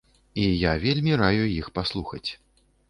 І я вельмі раю іх паслухаць.